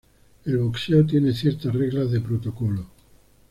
El boxeo tiene ciertas reglas de protocolo.